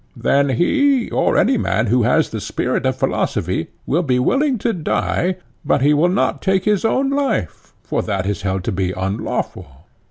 Then he, or any man who has the spirit of philosophy, will be willing to die, but he will not take his own life, for that is held to be unlawful.